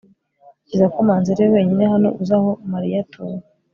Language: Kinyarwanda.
ntekereza ko manzi ariwe wenyine hano uzi aho mariya atuye